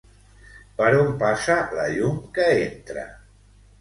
Per on passa la llum que entra?